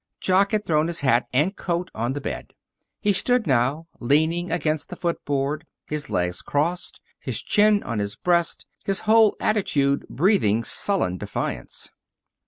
Jock had thrown his hat and coat on the bed. He stood now, leaning against the footboard, his legs crossed, his chin on his breast, his whole attitude breathing sullen defiance.